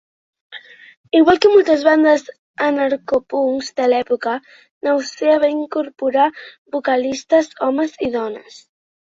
Igual que moltes bandes anarcopunks de l'època, Nausea va incorporar vocalistes homes i dones.